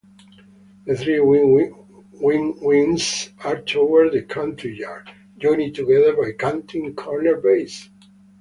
The three wing wings are towards the courtyard joined together by canted corner bays.